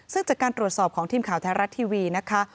ซึ่งจากการตรวจสอบของทีมข่าวแท้รัฐทีวีนะคะ